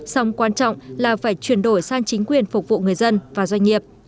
song quan trọng là phải chuyển đổi sang chính quyền phục vụ người dân và doanh nghiệp